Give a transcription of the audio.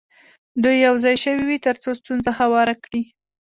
دوی یو ځای شوي وي تر څو ستونزه هواره کړي.